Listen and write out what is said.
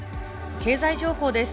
経済情報です。